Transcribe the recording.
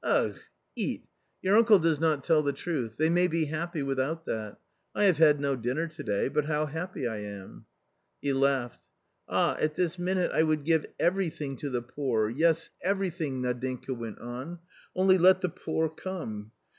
" Ugh ! eat ! Your uncle does not tell the truth ; they may be happy without that ; I have had no dinner to day, but how happy I am !" He laughed. " Ah, at this minute I would give everything to the poor, yes, everything!" Nadinka went on, "only let the poor come.